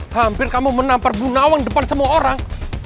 hampir kamu menampar bu nawang depan semua orang